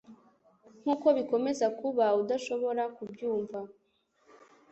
nkuko bikomeza kuba udashobora kubyumva